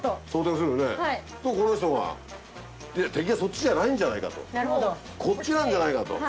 するとこの人が「敵はそっちじゃないんじゃないか。こっちなんじゃないか」と。